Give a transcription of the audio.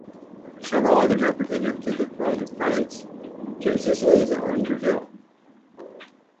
Several others are pretenders to the thrones of France, Two Sicilies, and Brazil.